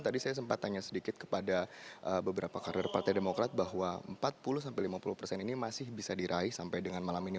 tadi saya sempat tanya sedikit kepada beberapa karir partai demokrat bahwa empat puluh sampai lima puluh persen ini masih bisa diraih sampai dengan malam ini